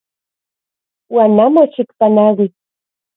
Uan amo xikpanaui.